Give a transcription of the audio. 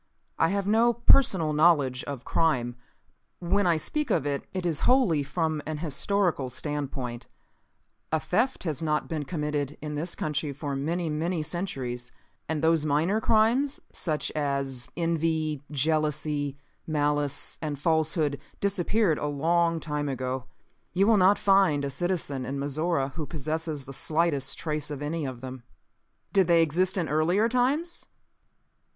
"I have no personal knowledge of crime. When I speak of it, it is wholly from an historical standpoint. A theft has not been committed in this country for many many centuries. And those minor crimes, such as envy, jealousy, malice and falsehood, disappeared a long time ago. You will not find a citizen in Mizora who possesses the slightest trace of any of them. "Did they exist in earlier times?"